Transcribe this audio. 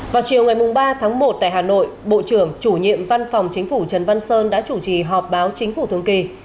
vào chiều ngày ba tháng một tại hà nội bộ trưởng chủ nhiệm văn phòng chính phủ trần văn sơn đã chủ trì họp báo chính phủ thường kỳ